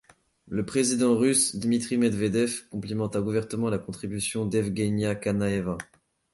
Le président russe, Dmitri Medvedev, complimenta ouvertement la contribution d'Evgenia Kanaeva.